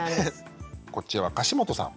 こっちは樫本さん。